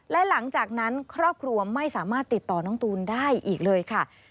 และหลังจากนั้นครอบครัวไม่สามารถติดต่อน้องตูนได้อีกเลยค่ะ